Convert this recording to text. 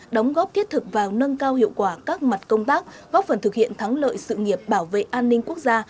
đóng góp thiết thực vào nâng cao hiệu quả các mặt công tác góp phần thực hiện thắng lợi sự nghiệp bảo vệ an ninh quốc gia